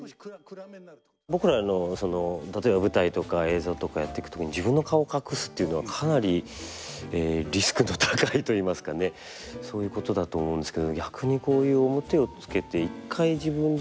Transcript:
僕らの例えば舞台とか映像とかやっていく時に自分の顔隠すっていうのはかなりリスクの高いと言いますかねそういうことだと思うんですけど。